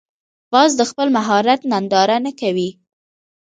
باز د خپل مهارت ننداره نه کوي